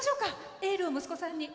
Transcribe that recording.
エールを息子さんに。